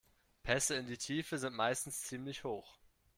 Pässe in die Tiefe sind meistens ziemlich hoch.